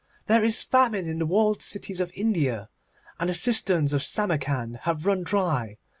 There is famine in the walled cities of India, and the cisterns of Samarcand have run dry.